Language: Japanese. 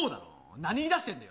何言いだしてるんだよ。